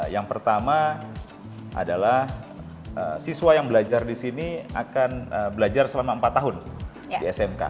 yang pertama adalah siswa yang belajar di sini akan belajar selama empat tahun di smk